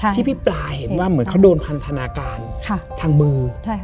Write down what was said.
ที่พี่ปลาเห็นว่าเหมือนเขาโดนพันธนาการทางมือ